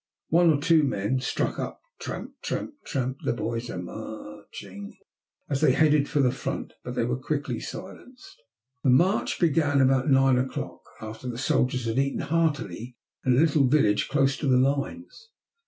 One or two men struck up "Tramp, Tramp, Tramp, the Boys Are Marching," as they headed for the front, but they were quickly silenced. The march began about nine o'clock, after the soldiers had eaten heartily in a little village close to the lines.